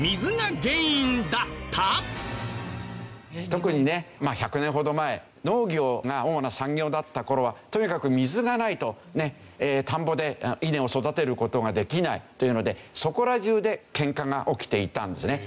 特にね１００年ほど前農業が主な産業だった頃はとにかく水がないとね田んぼで稲を育てる事ができないというのでそこら中でケンカが起きていたんですね。